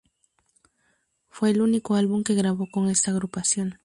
Fue el único álbum que grabó con esta agrupación.